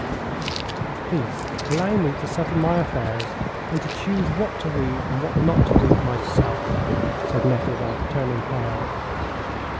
"Please allow me to settle my affairs, and to choose what to read and what not to read, myself," said Nekhludoff, turning pale.